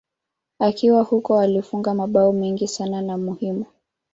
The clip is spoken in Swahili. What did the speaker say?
Akiwa huko alifunga mabao mengi sana na muhimu.